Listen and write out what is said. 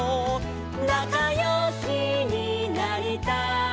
「なかよしになりたいな」